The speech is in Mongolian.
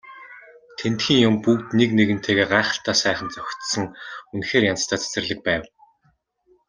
Тэндхийн юм бүгд нэг нэгэнтэйгээ гайхалтай сайхан зохицсон үнэхээр янзтай цэцэрлэг байв.